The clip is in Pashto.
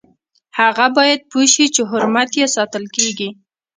هغه باید پوه شي چې حرمت یې ساتل کیږي.